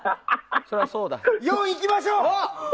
４いきましょう！